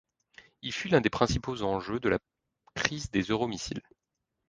Il fut l'un des principaux enjeux de la crise des euromissiles.